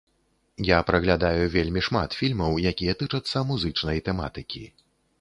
Я праглядаю вельмі шмат фільмаў, якія тычацца музычнай тэматыкі.